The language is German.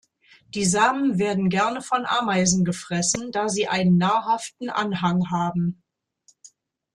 Die Samen werden gerne von Ameisen gefressen, da sie einen nahrhaften Anhang haben.